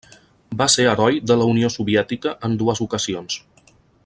Va ser Heroi de la Unió Soviètica en dues ocasions.